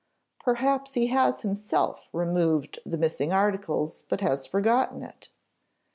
Perhaps he has himself removed the missing articles, but has forgotten it.